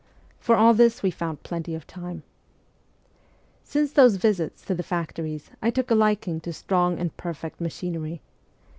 For all this we found plenty of time. Since those visits to the factories I took a liking to strong and perfect machinery.